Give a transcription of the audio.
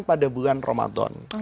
pada bulan ramadan